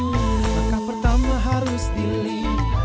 maka pertama harus dilihat